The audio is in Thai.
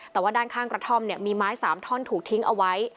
แต่ว่าด้านข้างกระท่อมเนี่ยมีไม้๓ท่อนถูกทิ้งเอาไว้